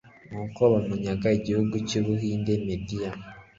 nuko bamunyaga igihugu cy'ubuhinde, mediya